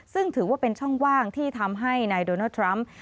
ซึ่งถือว่าเป็นช่องว่างที่ทำให้นายโดนัลดทรัมป์